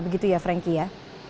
begitu ya franky ya